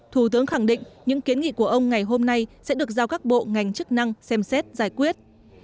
thủ tướng khẳng định những kiến nghị của ông ngày hôm nay sẽ được giao các bộ ngành chức năng xem xét giải quyết